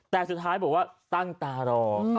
แต่สุดท้ายตั้งตาหรอก